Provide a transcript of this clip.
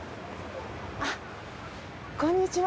あっこんにちは。